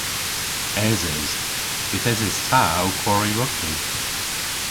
Eses. Yth eses ta ow kwari rugbi.